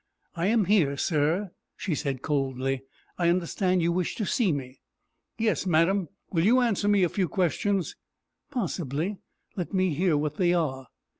"I am here, sir," she said, coldly. "I understand you wish to see me." "Yes, madam; will you answer me a few questions?" "Possibly. Let me hear what they are."